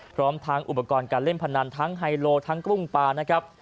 พร้อมทั้งอุปกรณ์การเล่นพนันทั้งไฮโลทั้งกุ้งปลานะครับ